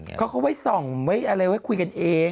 เขาเขาเล่าให้ส่องเล่าให้ส่องเคยกันเอง